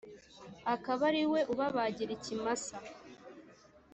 akaba ari we ubabagira ikimasa